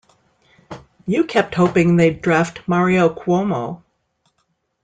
You kept hoping they'd draft Mario Cuomo.